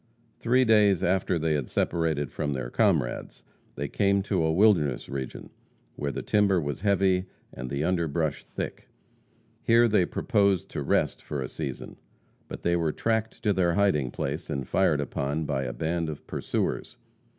Three days after they had separated from their comrades, they came to a wilderness region, where the timber was heavy and the underbrush thick. Here they proposed to rest for a season. But they were tracked to their hiding place, and fired upon by a band of pursuers.